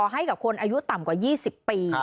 หลบ